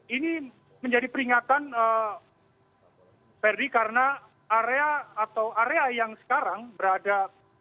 ini menjadi peringatan ferdi karena area yang sekarang berada